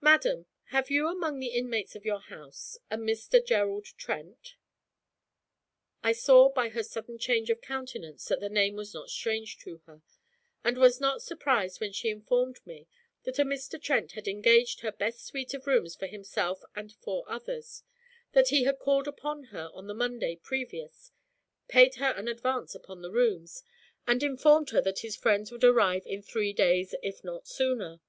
'Madam, have you among the inmates of your house a Mr. Gerald Trent?' I saw by her sudden change of countenance that the name was not strange to her, and was not surprised when she informed me that a Mr. Trent had engaged her best suite of rooms for himself and four others; that he had called upon her on the Monday previous, paid her an advance upon the rooms, and informed her that his friends would arrive in three days, if not sooner.